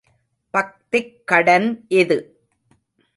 பக்திக் கடன் இது!